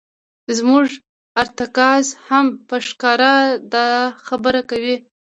زموږ ارتکاز هم په ښکاره دا خبره کوي.